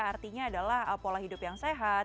artinya adalah pola hidup yang sehat